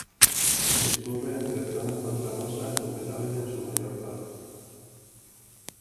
Discurre entre zonas pantanosas y humedales en su mayor parte.